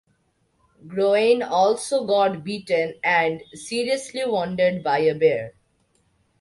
Groanin also got beaten, and seriously wounded, by a bear.